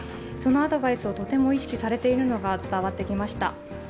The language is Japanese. そのアドバイスをとても意識されているのが伝わってきました。